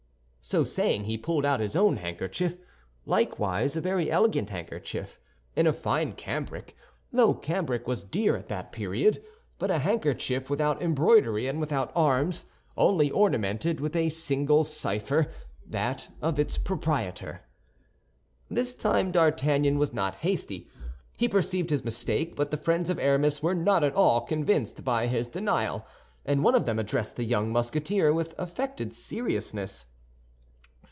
So saying, he pulled out his own handkerchief, likewise a very elegant handkerchief, and of fine cambric—though cambric was dear at the period—but a handkerchief without embroidery and without arms, only ornamented with a single cipher, that of its proprietor. This time D'Artagnan was not hasty. He perceived his mistake; but the friends of Aramis were not at all convinced by his denial, and one of them addressed the young Musketeer with affected seriousness.